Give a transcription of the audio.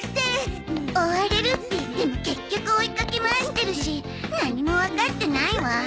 追われるっていっても結局追いかけ回してるし何もわかってないわ。